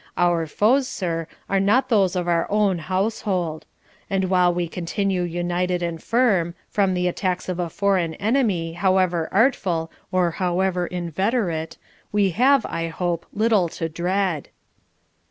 Our foes, sir, are not those of our own household; and while we continue united and firm, from the attacks of a foreign enemy, however artful, or however inveterate, we have, I hope, little to dread.'